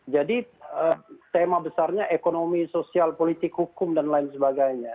jadi tema besarnya ekonomi sosial politik hukum dan lain sebagainya